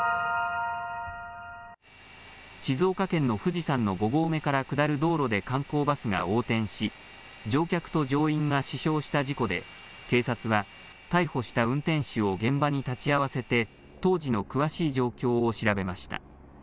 静岡県の富士山の５合目から下る道路で観光バスが横転し、乗客と乗員が死傷した事故で、警察は逮捕した運転手を現場に立ち会わせて、当時の詳しい状況を調べました。